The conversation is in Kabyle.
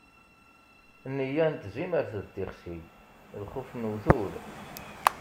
Neyya n tzimert d tixsi, lxuf n uwtul.